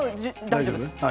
大丈夫です。